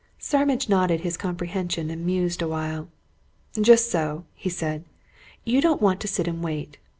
Starmidge nodded his comprehension and mused a while. "Just so!" he said. "You don't want to sit and wait.